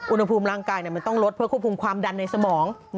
อุณหภูมิร่างกายมันต้องลดเพื่อควบคุมความดันในสมอง